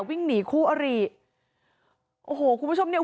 วิ่งหนีคู่อริโอ้โหคุณผู้ชมเนี่ย